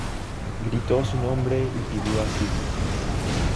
Gritó su nombre y pidió asilo.